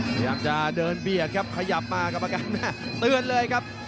พยายามจะเดินเบียกครับขยับมากับประกันหน้าเตือนเลยครับ